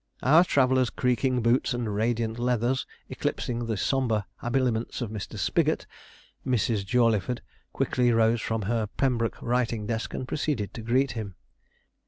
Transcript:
Our traveller's creaking boots and radiant leathers eclipsing the sombre habiliments of Mr. Spigot, Mrs. Jawleyford quickly rose from her Pembroke writing desk, and proceeded to greet him.